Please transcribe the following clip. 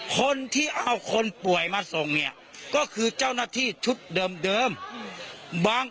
คนที่เอาคนป่วยมาส่งเนี่ยก็คือเจ้าหน้าที่ชุดเดิมบาง